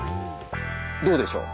どうでしょう？